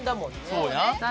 そうや。